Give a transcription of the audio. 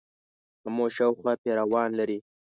آمو شاوخوا پیروان لري.